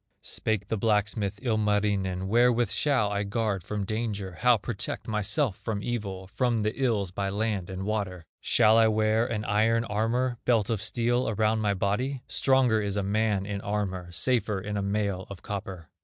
Spake the blacksmith, Ilmarinen: "Wherewith shall I guard from danger, How protect myself from evil, From the ills by land and water? Shall I wear an iron armor, Belt of steel around my body? Stronger is a man in armor, Safer in a mail of copper."